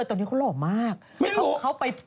ครั้งนี้ตุ้มตามจะดัง